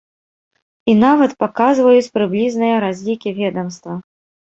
І нават паказваюць прыблізныя разлікі ведамства.